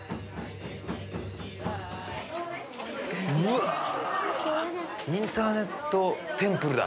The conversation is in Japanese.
うわインターネットテンプルだ。